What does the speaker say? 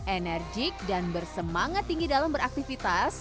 enerjik dan bersemangat tinggi dalam beraktivitas